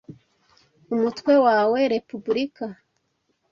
Umutwe wawe republika,